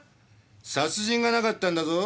殺人がなかったんだぞ。